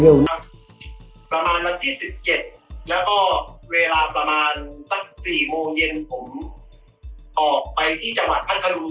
ประมาณวันที่๑๗แล้วก็เวลาประมาณสัก๔โมงเย็นผมออกไปที่จังหวัดพัทรู